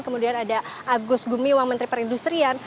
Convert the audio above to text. kemudian ada agus gumiwang menteri perindustrian